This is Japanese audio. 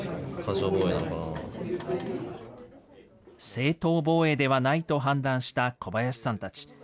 正当防衛ではないと判断した小林さんたち。